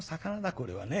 これはね。